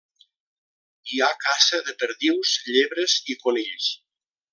Hi ha caça de perdius, llebres i conills.